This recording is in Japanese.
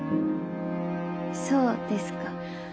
そうですか。